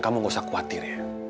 kamu gak usah khawatir ya